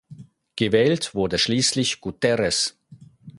Gewählt wurde schließlich Guterres.